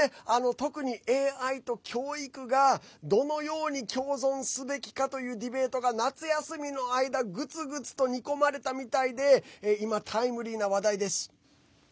特にＡＩと教育が、どのように共存すべきかというディベートが夏休みの間グツグツと煮込まれたみたいで今、タイムリーな話題です。